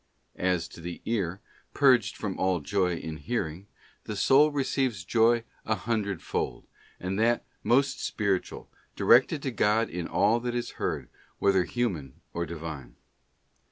As to the ear, purged from all joy in hearing, the soul receives joy a hundredfold, and that most spiritual, directed to God in all that is heard, whether human or Divine.